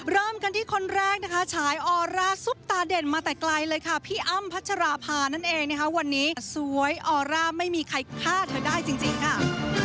เริ่มกันที่คนแรกนะคะฉายออร่าซุปตาเด่นมาแต่ไกลเลยค่ะพี่อ้ำพัชราภานั่นเองนะคะวันนี้สวยออร่าไม่มีใครฆ่าเธอได้จริงค่ะ